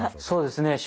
そうですね